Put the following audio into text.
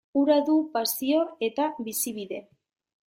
Hura du pasio eta bizibide.